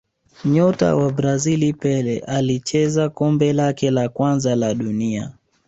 Nyota wa Brazil Pele alicheza kombe lake la kwanza la dunia